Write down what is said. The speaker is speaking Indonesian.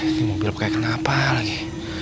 ini mobil kayak kenapa lagi